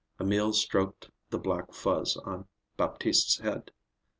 Emil stroked the black fuzz on Baptiste's head.